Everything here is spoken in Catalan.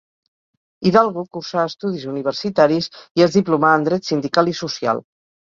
Hidalgo cursà estudis universitaris i es diplomà en Dret sindical i social.